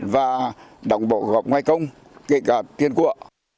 và đồng bộ gọc ngoài công kể cả tiên cuộa